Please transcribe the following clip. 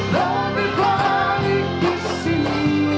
dan di balik ke sini